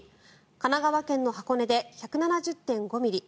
神奈川県の箱根で１７０．５ミリ